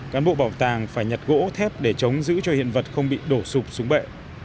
cán bộ bảo tàng phải nhặt gỗ thép để chống giữ cho hiện vật không bị đổ sụp xuống bệ